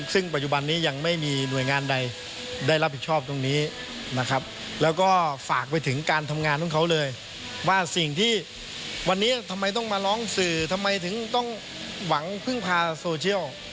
ซึ่งปัจจุบันนี้ยังไม่มีหน่วยงานใดได้รับผิดชอบตรงนี้นะครับแล้วก็ฝากไปถึงการทำงานของเขาเลยว่าสิ่งที่วันนี้ทำไมต้องมาร้องสื่อทำไมถึงต้องหวังพึ่งพาโซเชียล